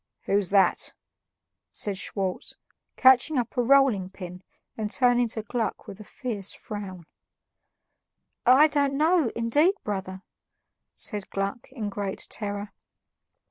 "Who's that?" said Schwartz, catching up a rolling pin and turning to Gluck with a fierce frown. "I don't know, indeed, brother," said Gluck in great terror.